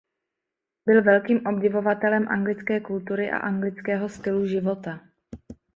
Byl velkým obdivovatelem anglické kultury a anglického stylu života.